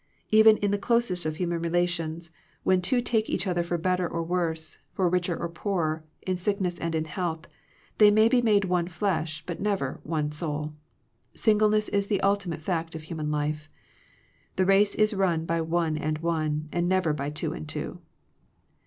Even in the closest of human relations. 208 Digitized by VjOOQIC THE LIMITS OF FRIENDSHIP when two take each other for better fot worse, for richer for poorer, in sickness and in health, they may be made one flesh, but never one souL Singleness is the ultimate fact of human life. " The race is run by one and one, and never by two and two."